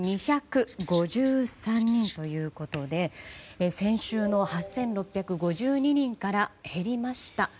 ８２５３人ということで先週の８６５２人から減りました。